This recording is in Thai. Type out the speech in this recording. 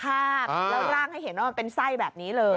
แล้วร่างให้เห็นว่ามันเป็นไส้แบบนี้เลย